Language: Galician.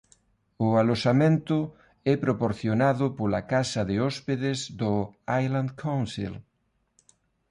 O aloxamento é proporcionado pola casa de hóspedes do Island Council.